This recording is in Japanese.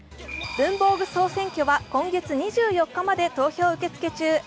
文房具総選挙は今月２４日まで投票受け付け中。